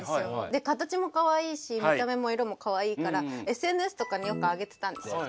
で形もかわいいし見た目も色もかわいいからＳＮＳとかによく上げてたんですよ。